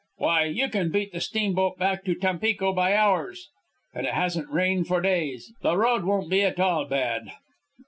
Why, you can beat the steamboat back to Tampico by hours. And it hasn't rained for days. The road won't be at all bad."